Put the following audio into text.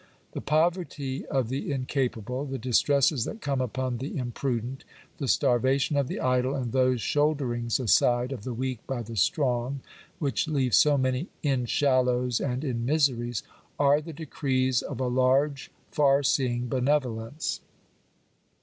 The poverty of the incapable, the distresses that come upon the imprudent, the starvation of the idle, and those shoulderings aside of the weak hy the strong, which leave so many " in shallows and in miseries/' are the decrees of a large, far seeing benevolence.